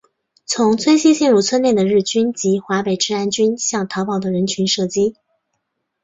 从村西进入村内的日军及华北治安军向逃跑的人群射击。